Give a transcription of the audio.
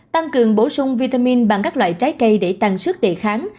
tăng cường bổ sung vitamin bằng các loại trái cây để tăng sức đề kháng